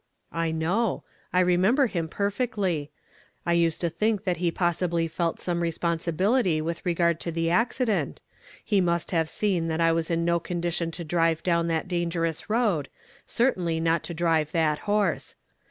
" I know ; I remember him perfectly. I used to think that he possibly felt some responsibility Avith regard to the accident ; he must have seen that I was in no condition to drive down that dangerous road, certainly not to drive that horee.